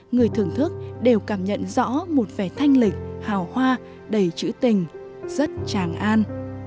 người thưởng thức đều cảm nhận rõ một vẻ thanh lịch hào hoa đầy chữ tình rất tràng an